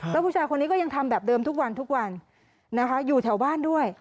แล้วผู้ชายคนนี้ก็ยังทำแบบเดิมทุกวันทุกวันนะคะอยู่แถวบ้านด้วย